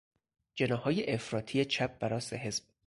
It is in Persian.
جناحهای افراطی چپ و راست حزب